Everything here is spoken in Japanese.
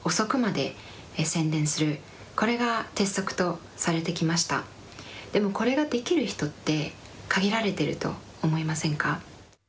でも、これができる人って限られてると思いませんか。